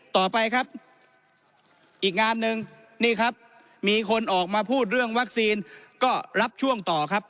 ต่อไปครับอีกงานหนึ่งนี่ครับมีคนออกมาพูดเรื่องวัคซีนก็รับช่วงต่อครับ